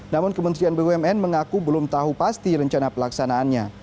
namun kementerian bumn mengaku belum tahu pasti rencana pelaksanaannya